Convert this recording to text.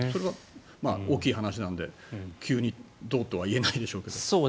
大きい話なので、急にどうとは言えないでしょうけど。